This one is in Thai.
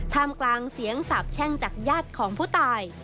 กลางเสียงสาบแช่งจากญาติของผู้ตาย